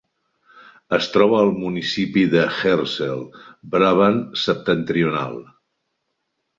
Es troba al municipi d'Eersel, Brabant Septentrional.